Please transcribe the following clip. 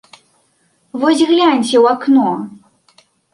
Вось гляньце ў акно!